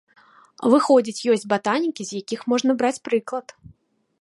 Выходзіць, ёсць батанікі, з якіх можна браць прыклад.